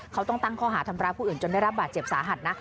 เขาต้องตั้งข้อหาทำร้ายผู้อื่นจนได้รับบาดเจ็บสาหัสนะ